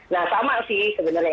nah sama sih sebenarnya